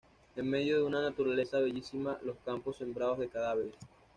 En medio de una naturaleza bellísima, los campos sembrados de cadáveres.